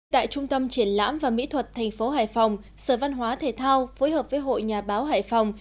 tại trung tâm triển lãm và mỹ thuật thành phố hải phòng sở văn hóa thể thao phối hợp với hội nhà báo hải phòng